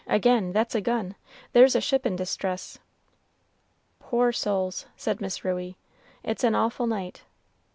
again, that's a gun, there's a ship in distress." "Poor souls," said Miss Ruey; "it's an awful night!"